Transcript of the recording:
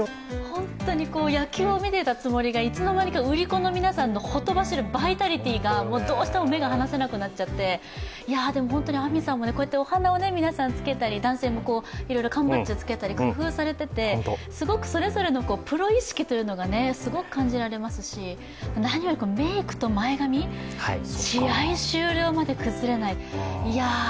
ホントに野球を見ていたつもりが売り子の皆さんのほとばしるバイタリティーが、どうしても目が離せなくなっちゃって本当にあみさん、本当にお花をつけたり男性もいろいろ缶バッジをつけたり工夫していてそれぞれのプロ意識が感じられますし何よりメークと前髪、試合終了まで崩れない。